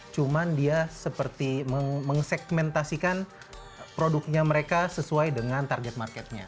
cuman dia seperti mengsegmentasikan produknya mereka sesuai dengan target marketnya